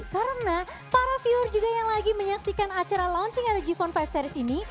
karena para viewer juga yang lagi menyaksikan acara launching rg phone lima series ini